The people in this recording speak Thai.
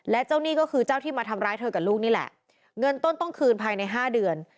และเจ้าหนี้ก็คือเจ้าที่มาทำร้ายเธอกับลูกนี่แหละเงินต้นต้องคืนภายในห้าเดือน